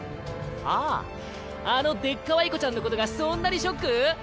あああのでっカワイコちゃんのことがそんなにショック？